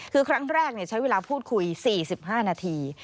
คือครั้งแรกใช้เวลาพูดคุย๔๕นาที